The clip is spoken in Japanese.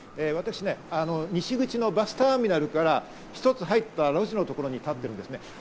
私ね、西口のバスターミナルから一つ入った路地のところに立っているんですね。